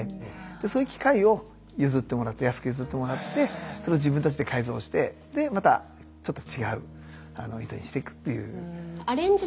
そういう機械を安く譲ってもらってそれを自分たちで改造してまたちょっと違う糸にしていくっていう。